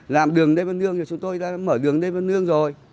làm đường lê văn lương thì chúng tôi đã mở đường lê văn lương rồi